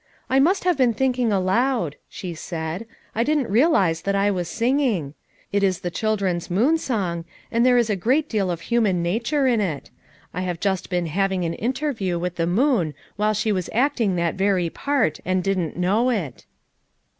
"I must have been thinking aloud/ 3 she said. "I didn't realize that I was singing. It is the children's 'moon song,' and there is a great deal of human nature in it; I have just been having an inter view with the moon while she was acting that very part, and didn't know it."